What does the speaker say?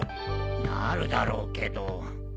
なるだろうけど。